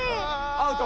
アウト？